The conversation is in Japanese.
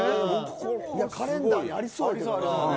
カレンダーにありそうだけどな。